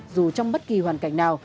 dù trong bất kỳ hoàn cảnh nào